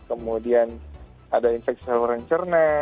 kemudian ada infeksi seorang yang cerne